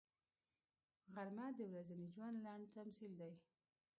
غرمه د ورځني ژوند لنډ تمثیل دی